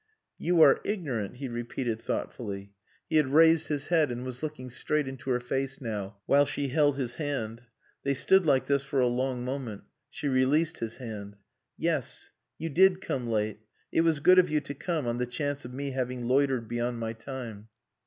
"You are ignorant," he repeated thoughtfully. He had raised his head, and was looking straight into her face now, while she held his hand. They stood like this for a long moment. She released his hand. "Yes. You did come late. It was good of you to come on the chance of me having loitered beyond my time.